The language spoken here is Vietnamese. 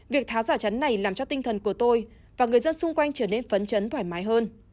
việc tháo dả chấn này làm cho tinh thần của tôi và người dân xung quanh trở nên phấn chấn thoải mái hơn